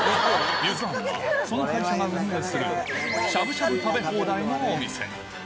ゆず庵はその会社が運営する、しゃぶしゃぶ食べ放題のお店。